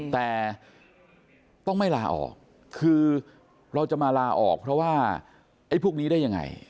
แต่ต้องไม่ลาออกคือเราจะมาลาออกเพราะว่าไอ้พวกนี้ได้ยังไง